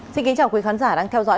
cảm ơn các bạn đã theo dõi